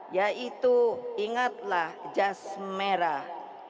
yaitu ingatlah jas merah